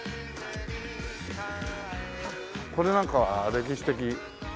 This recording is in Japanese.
これなんかは歴史的。